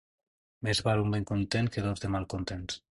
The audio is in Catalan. Més val un ben content que dos de mal contents.